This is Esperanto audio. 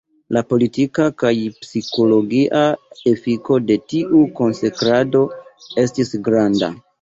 La politika kaj psikologia efiko de tiu konsekrado estis granda.